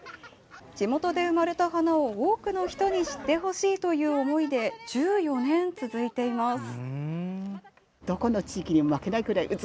地元で生まれた花を、多くの人に知ってほしいという思いで１４年続いています。